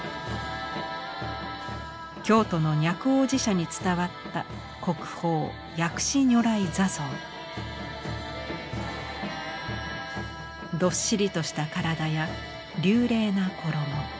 京都の若王子社に伝わったどっしりとした体や流麗な衣。